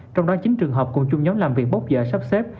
trong đó chín trường hợp cùng chung nhóm làm việc bốc dở sắp xếp